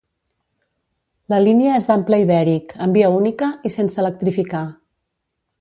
La línia és d'ample ibèric, en via única i sense electrificar.